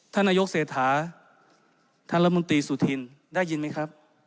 ท่านนายกเศรษฐาท่านรัฐมนตรีสุธินได้ยินไหมครับ